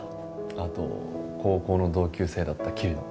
あと高校の同級生だった桐野。